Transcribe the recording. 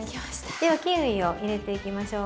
ではキウイを入れていきましょう。